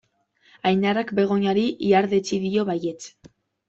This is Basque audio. Ainarak Begoñari ihardetsi dio baietz.